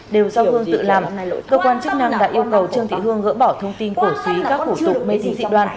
đều do hương tự làm cơ quan chức năng đã yêu cầu trương thị hương gỡ bỏ thông tin cổ suý các phủ tục mê tín dị đoan